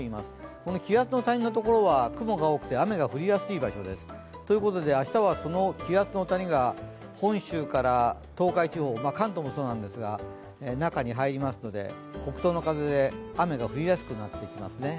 この気圧の谷のところは雲が多くて、雨が降りやすい場所です。ということで、明日はその気圧の谷が本州から東海地方、関東もそうなんですが、中に入りますので北東の風で雨が降りやすくなってきますね。